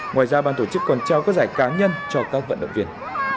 ngoài ra ban tổ chức còn trao các giải cá nhân cho các vận động viên